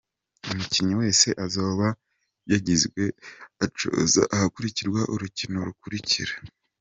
Umukinyi wese azoba yagiwe, azoca ahagarikwa urukino rukurikira.